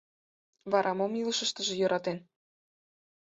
Вара мом илышыштыже йӧратен?